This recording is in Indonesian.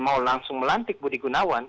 mau langsung melantik budi gunawan